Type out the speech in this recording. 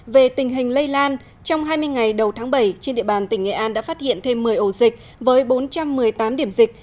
về tình hình lây lan trong hai mươi ngày đầu tháng bảy trên địa bàn tỉnh nghệ an đã phát hiện thêm một mươi ổ dịch với bốn trăm một mươi tám điểm dịch